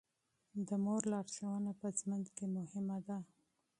د مور لارښوونه په ژوند کې مهمه ده.